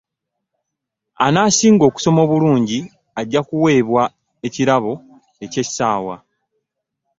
Anasinga okusoma obulungi ajja ku weebwa ekirabo ekyessaawa.